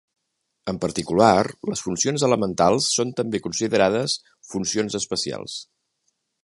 En particular, les funcions elementals són també considerades funcions especials.